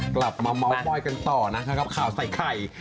กลับมาเมาส์มอยกันต่อนะครับกับข่าวใส่ไข่